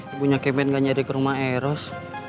ibu nya kemet gak nyari ke rumah eros